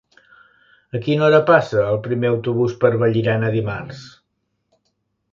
A quina hora passa el primer autobús per Vallirana dimarts?